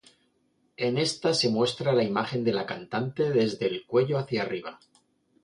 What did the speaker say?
En esta se muestra la imagen de la cantante desde el cuello hacia arriba.